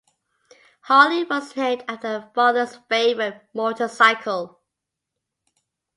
Harley was named after her father's favorite motorcycle.